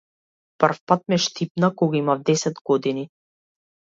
Првпат ме штипна кога имав десет години.